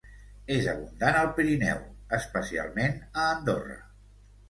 És abundant al Pirineu, especialment a Andorra.